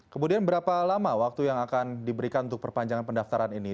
kemudian berapa lama waktu yang akan diberikan untuk perpanjangan pendaftaran ini